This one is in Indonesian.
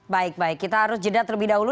baik baik kita harus jeda terlebih dahulu